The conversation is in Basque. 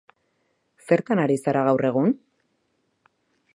Zertan ari zara gaur egun?